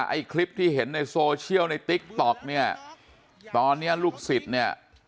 ไอ้คลิปที่เห็นในโซเชียลในติ๊กต๊อกเนี่ยตอนเนี้ยลูกศิษย์เนี่ย